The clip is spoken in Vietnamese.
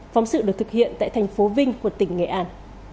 phóng sự được thực hiện tại thành phố vinh của tỉnh nghệ an